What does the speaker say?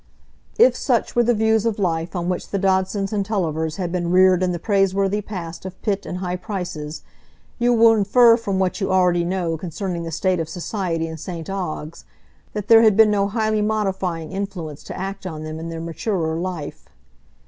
If such were the views of life on which the Dodsons and Tullivers had been reared in the praiseworthy past of Pitt and high prices, you will infer from what you already know concerning the state of society in St Ogg's, that there had been no highly modifying influence to act on them in their maturer life.